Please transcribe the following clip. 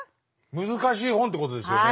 難しい本ってことですよね。